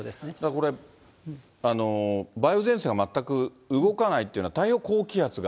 これ、梅雨前線が全く動かないっていうのは、太平洋高気圧が